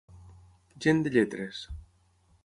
Gent de lletres.